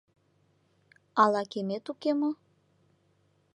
Ала кемет уке мо?